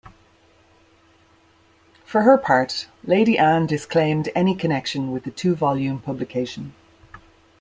For her part, Lady Anne disclaimed any connection with the two volume publication.